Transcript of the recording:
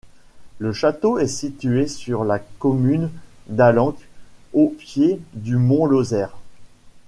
Le château est situé sur la commune d'Allenc, au pied du mont Lozère.